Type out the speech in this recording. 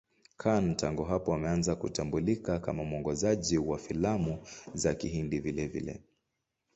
Khan tangu hapo ameanza kutambulika kama mwongozaji wa filamu za Kihindi vilevile.